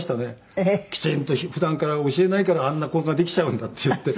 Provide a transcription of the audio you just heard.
「きちんと普段から教えないからあんな子ができちゃうんだ」って言って。